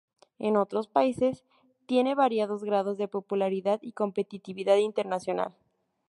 En otros países tiene variados grados de popularidad y competitividad internacional.